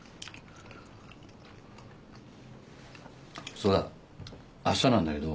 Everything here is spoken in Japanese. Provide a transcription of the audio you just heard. そうだあしたなんだけど。